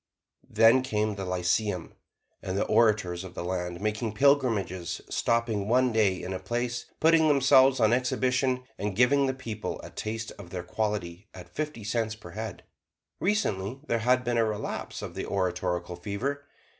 Then came the Lyceum, and the orators of the land made pilgrimages, stopping one day in a place, putting themselves on exhibition, and giving the people a taste of their quality at fifty cents per head. Recently, there has been a relapse of the oratorical fever.